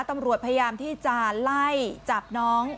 ตำรวจพยายามที่จะไล่จับน้อง